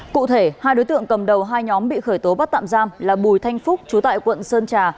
cụ thể hai đối tượng cầm đầu hai nhóm bị khởi tố bắt tạm giam là bùi thanh phúc chú tại quận sơn trà